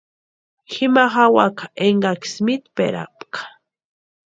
Jima jawaka énkasï mitperapka.